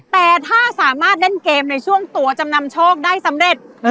แต่ถ้าสามารถเล่นเกมในช่วงตัวจำนำโชคได้สำเร็จ